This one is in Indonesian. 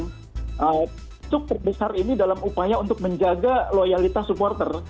cukup besar ini dalam upaya untuk menjaga loyalitas supporter